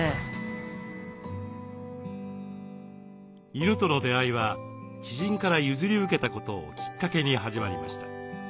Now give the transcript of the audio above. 犬との出会いは知人から譲り受けたことをきっかけに始まりました。